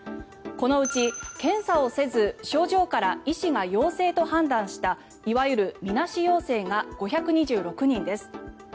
このうち検査をせず症状から医師が陽性と判断したいわゆるみなし陽性が５２６人です。